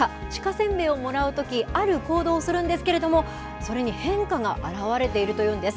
せんべいをもらうときある行動をするんですけどそれに変化が表れているというんです。